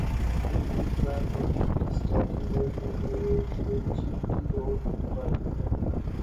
نون league پر پھبتی کسی جاتی ہے کہ یہ جی ٹی روڈ کی پارٹی ہے۔